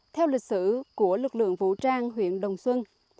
theo lịch sử của lực lượng vũ trang huyện đồng xuân